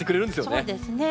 そうですね。